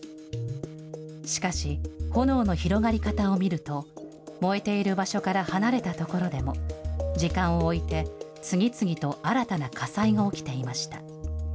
しかし、炎の広がり方を見ると、燃えている場所から離れた所でも、時間を置いて次々と新たな火災が起きていました。